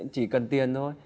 chỉ cần tiền thôi